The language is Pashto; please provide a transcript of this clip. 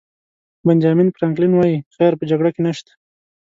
بنجامین فرانکلن وایي خیر په جګړه کې نشته.